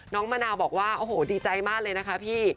มะนาวบอกว่าโอ้โหดีใจมากเลยนะคะพี่